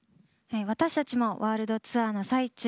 私たちもワールドツアーの最中